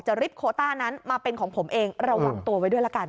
ริบโคต้านั้นมาเป็นของผมเองระวังตัวไว้ด้วยละกัน